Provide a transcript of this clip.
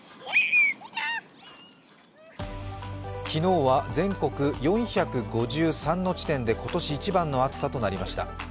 昨日は全国４５３の地点で今年一番の暑さとなりました。